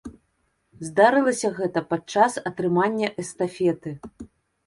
Здарылася гэта падчас атрымання эстафеты.